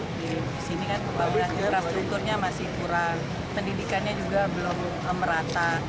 di sini kan pembangunan infrastrukturnya masih kurang pendidikannya juga belum merata